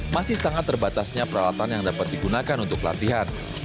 masih sangat terbatasnya peralatan yang dapat digunakan untuk latihan